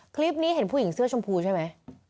คลิปนี้เห็นผู้หญิงเสื้อชมพูใช่ไหม